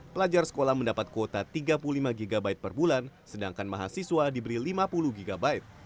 pelajar sekolah mendapat kuota tiga puluh lima gb per bulan sedangkan mahasiswa diberi lima puluh gb